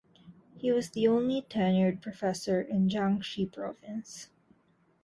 He was the only tenured professor in Jiangxi province.